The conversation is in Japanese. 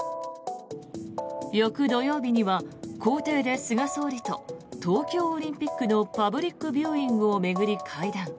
翌土曜日には公邸で菅総理と東京オリンピックのパブリックビューイングを巡り会談。